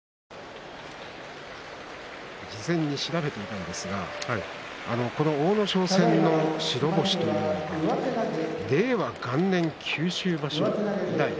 事前に調べましたが阿武咲戦の白星というのは令和元年、九州場所。